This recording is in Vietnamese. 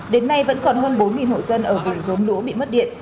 đến nay vẫn còn hơn bốn hộ dân ở vùng giống lũ bị mất điện